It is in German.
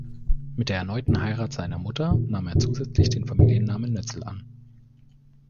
Mit der erneuten Heirat seiner Mutter nahm er zusätzlich den Familiennamen Nötzel an.